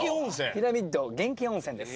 ピラミッド元氣温泉です。